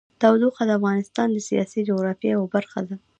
تودوخه د افغانستان د سیاسي جغرافیه یوه برخه ده.